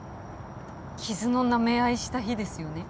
傷のなめ合いした日ですよね？